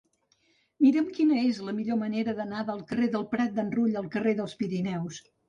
Mira'm quina és la millor manera d'anar del carrer del Prat d'en Rull al carrer dels Pirineus.